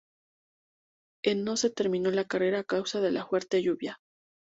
En no se terminó la carrera a causa de la fuerte lluvia.